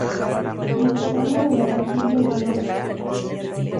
En el tramo de la capilla mayor.